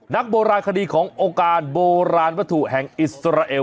นักโบราณคดีของโอกาสโบราณประถูแห่งอิสราเอล